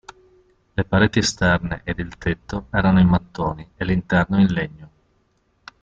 Le pareti esterne ed il tetto erano in mattoni e l'interno in legno.